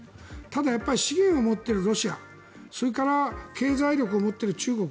ただ、資源を持ってるロシアそれから経済力を持ってる中国